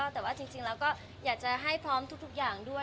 แต่ว่าจริงแล้วก็อยากจะให้พร้อมทุกอย่างด้วย